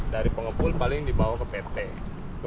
dari pengepul paling dibawa ke pt